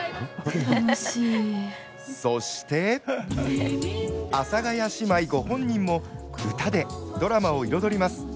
そして、阿佐ヶ谷姉妹ご本人も歌でドラマを彩ります。